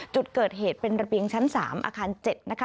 จุดเกิดเหตุเป็นระเบียงชั้น๓อาคาร๗นะคะ